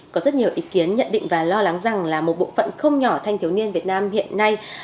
có rất nhiều ý kiến nhận định và lo lắng rằng là một bộ phận không nhỏ thanh thiếu niên việt nam hiện nay